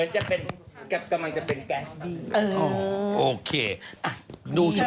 จากธนาคารกรุงเทพฯ